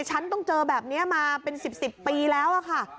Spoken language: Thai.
แต่ฉันต้องเจอแบบนี้มาเป็นสิบสิบปีแล้วอะค่ะ